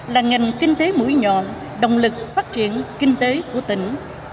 là ngành kinh tế mũi nhọn động lực phát triển kinh tế của tỉnh